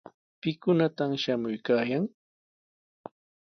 ¿Pikunataq shamuykaayan?